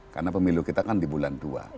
karena pemilu kita kan di bulan dua